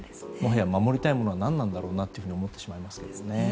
もはや守りたいものは何なんだろうと思ってしまいますよね。